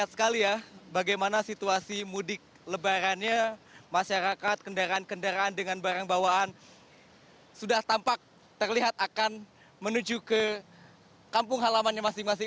sekali ya bagaimana situasi mudik lebarannya masyarakat kendaraan kendaraan dengan barang bawaan sudah tampak terlihat akan menuju ke kampung halamannya masing masing